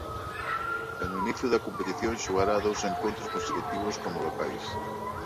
E no inicio da competición xogará dous encontros consecutivos como locais.